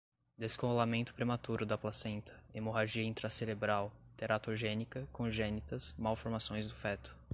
descolamento prematuro da placenta, hemorragia intracerebral, teratogênica, congênitas, malformações do feto